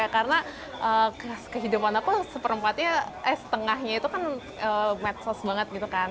karena kehidupan aku setengahnya itu kan medsos banget gitu kan